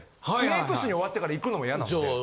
メイク室に終わってから行くのもイヤなので。